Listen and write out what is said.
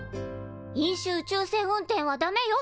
飲酒宇宙船運転はダメよ